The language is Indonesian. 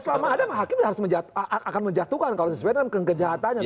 ya selama ada mah hakim akan menjatuhkan kalau sesuai dengan kejahatannya